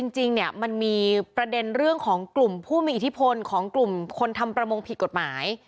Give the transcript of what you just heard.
จริงเนี่ยมันมีประเด็นเรื่องของกลุ่มผู้มีอิทธิพลของกลุ่มคนทำประมงผิดกฎหมาย